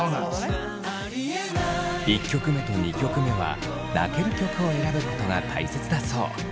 １曲目と２曲目は泣ける曲を選ぶことが大切だそう。